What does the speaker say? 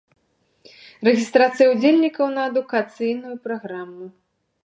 Рэгістрацыя ўдзельнікаў на адукацыйную праграму.